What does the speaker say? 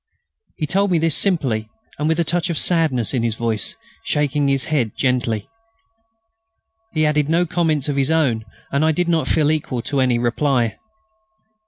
He told me this simply, with a touch of sadness in his voice, shaking his head gently. He added no comments of his own, and I did not feel equal to any reply.